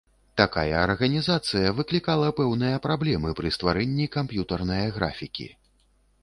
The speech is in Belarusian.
Такая арганізацыя выклікала пэўныя праблемы пры стварэнні камп'ютарнае графікі.